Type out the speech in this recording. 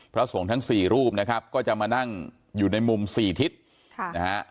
พระสงฆ์ทั้งสี่รูปนะครับก็จะมานั่งอยู่ในมุมสี่ทิศค่ะนะฮะ